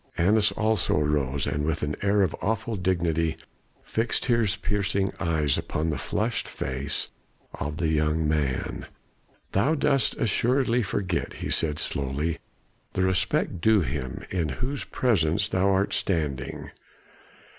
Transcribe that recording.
Annas also arose, and with an air of awful dignity fixed his piercing eyes upon the flushed face of the young man. "Thou dost assuredly forget," he said slowly, "the respect due him in whose presence thou art standing.